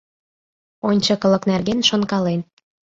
Ончыкылык нерген шонкален.